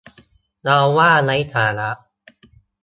เราว่าไร้สาระ